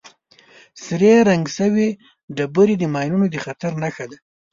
سرې رنګ شوې ډبرې د ماینونو د خطر نښه ده.